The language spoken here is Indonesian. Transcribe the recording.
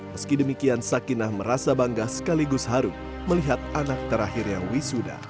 meski demikian sakinah merasa bangga sekaligus haru melihat anak terakhirnya wisuda